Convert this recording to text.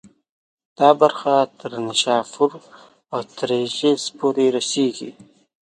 دا برخه تر نیشاپور او ترشیز پورې رسېږي.